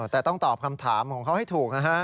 แต่ต้องตอบคำถามของเขาให้ถูกนะฮะ